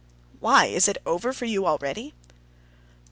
"Why, is it over for you already?"